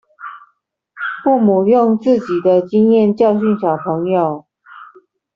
父母用自己的經驗教訓小朋友